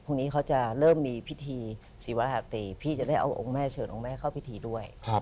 พรุ่งนี้เขาจะเริ่มมีพิธีศิวหาตรีพี่จะได้เอาองค์แม่เชิญองค์แม่เข้าพิธีด้วย